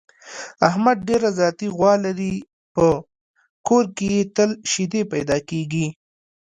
احمد ډېره ذاتي غوا لري، په کور کې یې تل شیدې پیدا کېږي.